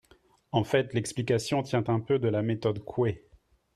En fait, l’explication tient un peu de la méthode Coué.